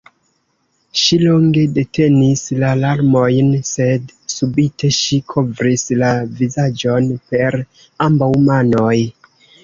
Ŝi longe detenis la larmojn, sed subite ŝi kovris la vizaĝon per ambaŭ manoj.